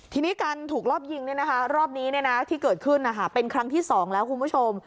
ทีนี้การถูกรอบยิงรอบนี้ที่เกิดขึ้นเป็นครั้งที่๒แล้วคุณผู้ชม